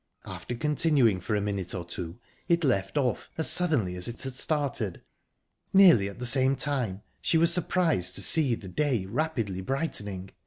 After continuing for a minute or two, it left off as suddenly as it had started. Nearly at the same time she was surprised to see the day rapidly brightening.